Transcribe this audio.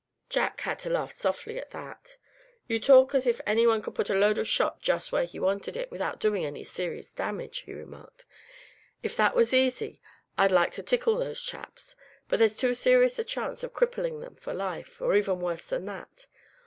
Jack had to laugh softly at that. "You talk as if any one could put a load of shot just where he wanted it, without doing any serious damage," he remarked. "If that was easy, I'd like to tickle those chaps; but there's too serious a chance of crippling them for life, or even worse than that.